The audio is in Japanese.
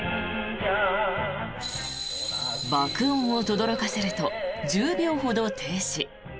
爆音をとどろかせると１０秒ほど停止。